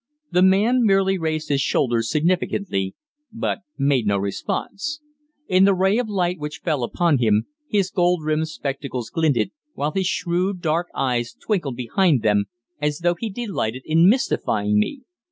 The man merely raised his shoulders significantly, but made no response. In the ray of light which fell upon him, his gold rimmed spectacles glinted, while his shrewd dark eyes twinkled behind them, as though he delighted in mystifying me.